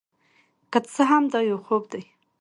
که څه هم دا یو خوب دی،